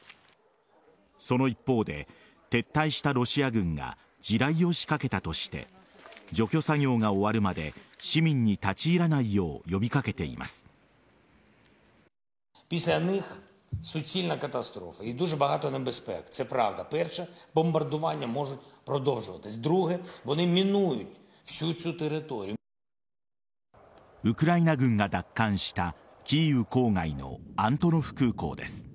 その一方で撤退したロシア軍が地雷を仕掛けたとして除去作業が終わるまで市民に立ち入らないよう呼び掛けています。